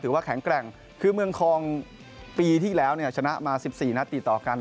ถือว่าแข็งแกร่งคือเมืองคลองปีที่แล้วชนะมา๑๔นาทีต่อกัน